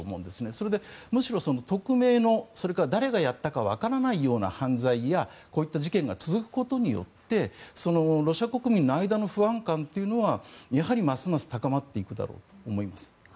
それで、むしろ匿名のそれから誰がやったかわからないような犯罪やこういった事件が続くことによってロシア国民の間の不安感というのはやはりますます高まっていくだろうと思います。